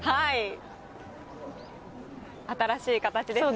新しい形ですね。